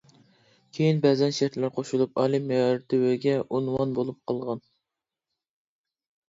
كىيىن بەزەن شەرتلەر قوشۇلۇپ ئالىي مەرتىۋىگە ئۇنۋان بولۇپ قالغان.